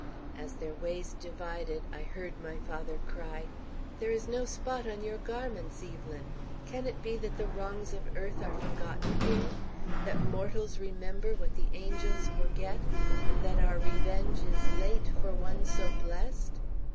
As their ways divided, I heard my father cry: "There is no spot on your garments, Evelyn. Can it be that the wrongs of earth are forgotten here? That mortals remember what the angels forget, and that our revenge is late for one so blessed?"